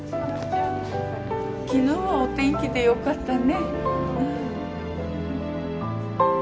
昨日はお天気でよかったね。